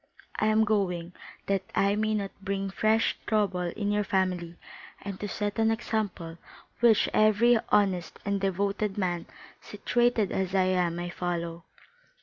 "I am going, that I may not bring fresh trouble into your family: and to set an example which every honest and devoted man, situated as I am, may follow."